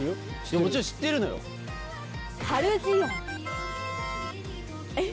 もちろん知ってるのよ。えっ？